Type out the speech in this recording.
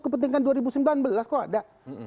kepentingan dua ribu sembilan belas kok ada